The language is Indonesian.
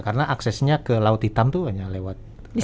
karena aksesnya ke laut hitam itu hanya lewat